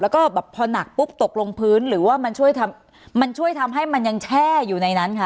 แล้วก็แบบพอหนักปุ๊บตกลงพื้นหรือว่ามันช่วยทำมันช่วยทำให้มันยังแช่อยู่ในนั้นคะ